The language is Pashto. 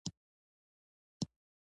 د جدې په نړیوال هوايي ډګر کې.